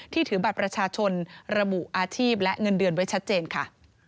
ถือบัตรประชาชนระบุอาชีพและเงินเดือนไว้ชัดเจนค่ะ